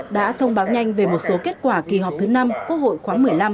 đã thông báo nhanh về một số kết quả kỳ họp thứ năm quốc hội khoáng một mươi năm